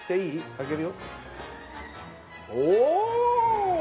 開けるよ。